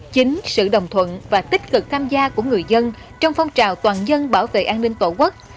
chính sự đồng thuận và tích cực tham gia của người dân trong phong trào toàn dân bảo vệ an ninh tổ quốc